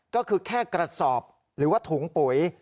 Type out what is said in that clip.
ก็คือแค่กระสอบหรือว่าถุงปุ๋ย